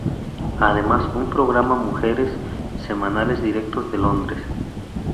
Además un programa mujeres semanales directos de Londres.